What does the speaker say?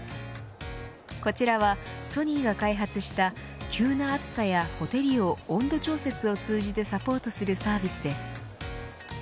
こちらは、ソニーが開発した急な暑さやほてりを温度調節を通じてサポートするサービスです。